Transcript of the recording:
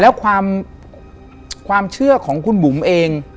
แล้วความเชื่อของคุณบุ๋มเอง